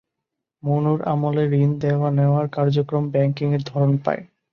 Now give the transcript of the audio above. মনুর আমলে ঋণ দেওয়া-নেওয়ার কার্যক্রম ব্যাংকিং-এর ধরন পায়।